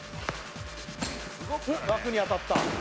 枠に当たった